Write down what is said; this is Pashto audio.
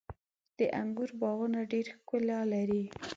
• د انګورو باغونه ډېره ښکلا لري.